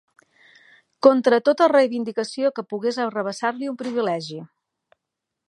Contra tota reivindicació que pogués arrabassar-li un privilegi.